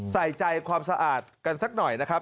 ใส่ใจความสะอาดกันสักหน่อยนะครับ